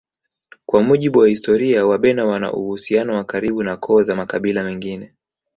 Kwa mujibu wa historia wabena wana uhusiano wa karibu na koo za makabila mengine